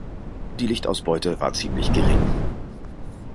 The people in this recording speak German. Die Lichtausbeute war ziemlich gering.